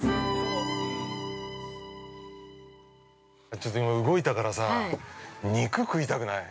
◆ちょっと今、動いたからさ肉、食いたくない？